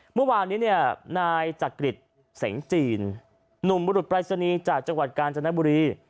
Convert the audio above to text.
เมื่อวานนี้นายจักริจเสียงจีนหนุ่มบรุษปรัชนีจากจังหวัดกาญจนบุรี